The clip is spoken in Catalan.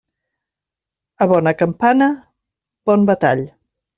A bona campana, bon batall.